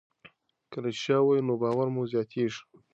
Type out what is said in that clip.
که رښتیا ووایو نو باور مو زیاتېږي.